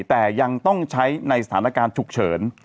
แต่ยังต้องใช้ในสถานการณ์ฉุกเฉิน